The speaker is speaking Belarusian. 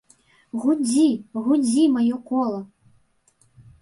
Гудзі, гудзі, маё кола!